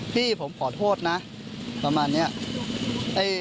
พี่ผมขอโทษนะประมาณนี้